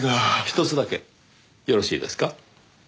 ひとつだけよろしいですか？